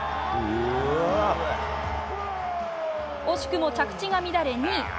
惜しくも着地が乱れ、２位。